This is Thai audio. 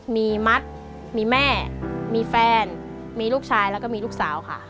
มีมัดมีแม่มีแฟนมีลูกชายแล้วก็มีลูกสาวค่ะ